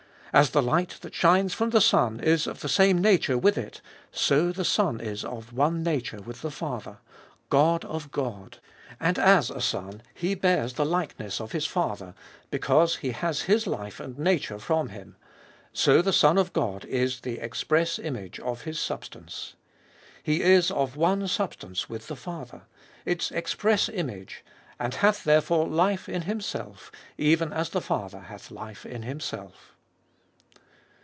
As the light that shines from the sun is of the same nature with it, so the Son is of one nature with the Father — God of God. And as a son bears the likeness of his father, because he has his life and nature from him, so the Son of God is the express image of His substance. He is of one substance with the Father — its express image— and hath therefore life in Himself, even as the Father hath life in Himself.